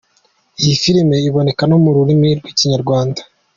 Iyi filimi iboneka no mu rurimi rw'ikinyarwanda.